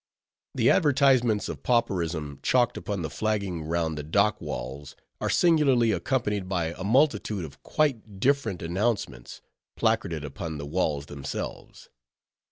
The advertisements of pauperism chalked upon the flagging round the dock walls, are singularly accompanied by a multitude of quite different announcements, placarded upon the walls themselves.